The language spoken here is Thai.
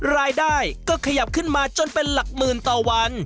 รายได้ก็ขยับขึ้นมาจนเป็นหลักหมื่นต่อวัน